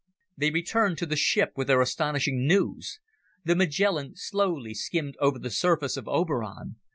They returned to the ship with their astonishing news. The Magellan slowly skimmed over the surface of Oberon.